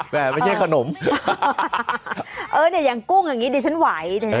ไม่ใช่ขนมเออเนี่ยอย่างกุ้งอย่างนี้ดิฉันไหว